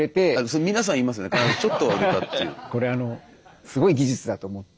これはあのすごい技術だと思って。